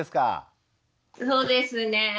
そうですねえ。